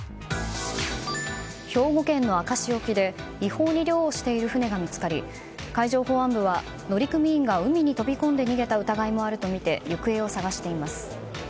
兵庫県の明石沖で違法に漁をしている船が見つかり海上保安部は乗組員が海に飛び込んで逃げた疑いもあるとみて行方を捜しています。